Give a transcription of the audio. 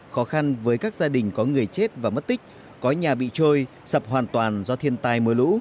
khó khăn với các gia đình có người chết và mất tích có nhà bị trôi sập hoàn toàn do thiên tai mưa lũ